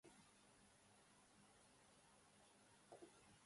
"ale, żal mi było Stacha."